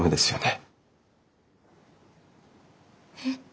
えっ？